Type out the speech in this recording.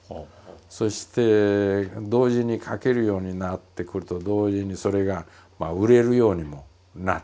そして同時に書けるようになってくると同時にそれが売れるようにもなってきたんですね。